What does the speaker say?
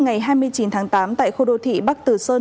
ngày hai mươi chín tháng tám tại khu đô thị bắc tử sơn